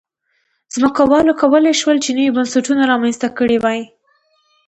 ځمکوالو کولای شول چې نوي بنسټونه رامنځته کړي وای.